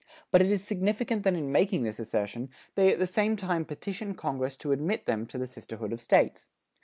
But it is significant that in making this assertion, they at the same time petitioned congress to admit them to the sisterhood of States.